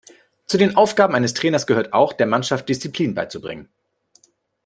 Zu den Aufgaben eines Trainers gehört auch, der Mannschaft Disziplin beizubringen.